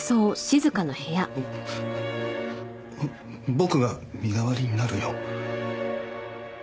ぼ僕が身代わりになるよ。